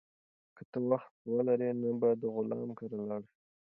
که ته وخت ولرې، نن به د غلام کره لاړ شو.